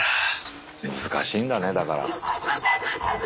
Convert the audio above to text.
難しいんだねだから。